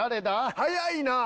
早いなあ！